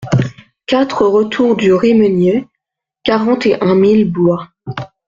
quatre retour du Remenier, quarante et un mille Blois